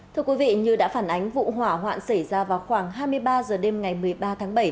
thưa quý vị như đã phản ánh vụ hỏa hoạn xảy ra vào khoảng hai mươi ba h đêm ngày một mươi ba tháng bảy